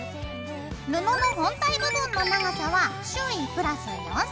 布の本体部分の長さは周囲＋４ｃｍ。